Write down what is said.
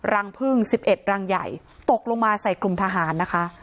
รังพึ่ง๑๑รังใหญ่ตกลงมาใส่กลุ่มทหารนะคะ